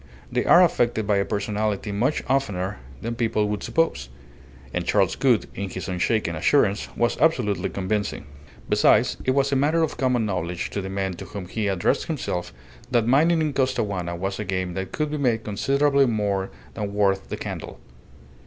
They are affected by a personality much oftener than people would suppose; and Charles Gould, in his unshaken assurance, was absolutely convincing. Besides, it was a matter of common knowledge to the men to whom he addressed himself that mining in Costaguana was a game that could be made considerably more than worth the candle.